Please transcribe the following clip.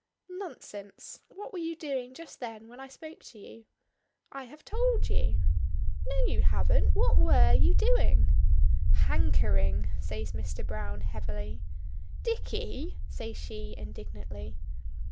"Nonsense! What were you doing just then when I spoke to you?" "I have told you." "No, you haven't. What were you doing?" "Hankering!" says Mr. Browne, heavily. "Dicky!" says she indignantly.